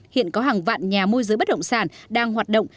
hiện có hàng vạn nhà môi giới bất động sản đang hoạt động